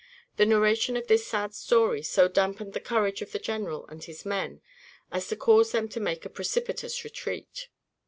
The narration of this sad story so dampened the courage of the General and his men as to cause them to make a precipitous retreat.